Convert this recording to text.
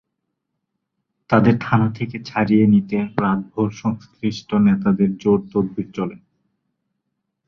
তাঁদের থানা থেকে ছাড়িয়ে নিতে রাতভর সংশ্লিষ্ট নেতাদের জোর তদবির চলে।